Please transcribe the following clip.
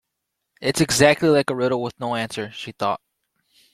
‘It’s exactly like a riddle with no answer!’ she thought.